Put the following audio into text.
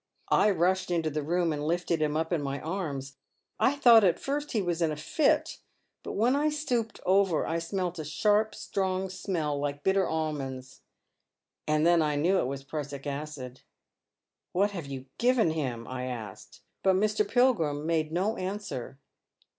I rushed into the room, and lifted him up in my anns. I thought at first he was in a fit ; but when I stooped over him I smelt a sharp strong smell like bitter almonds, and then I knew it was prussic acid. ' What have you given him ?' I asked. But Mr. Pilgrim made no answer.